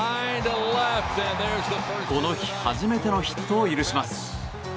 この日初めてのヒットを許します。